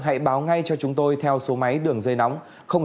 hãy báo ngay cho chúng tôi theo số máy đường dây nóng